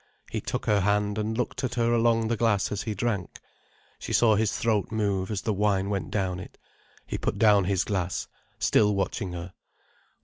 He took her hand, and looked at her along the glass as he drank. She saw his throat move as the wine went down it. He put down his glass, still watching her.